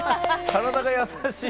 体が優しい。